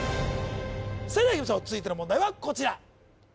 それではいきましょう続いての問題はこちら